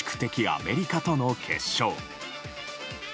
アメリカとの決勝。